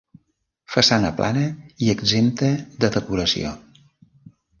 Façana plana i exempta de decoració.